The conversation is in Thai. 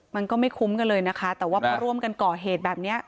มันก็ไม่คุ้มกันเลยนะคะแต่ว่าพอร่วมกันก่อเหตุแบบนี้